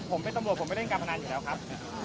ผมเป็นตำรวจผมไม่เล่นการพนันอยู่แล้วครับ